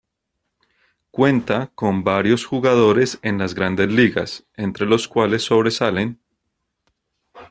Cuenta con varios jugadores en las Grandes Ligas, entre los cuales sobresalen.